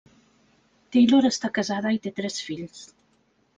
Taylor està casada i té tres fills.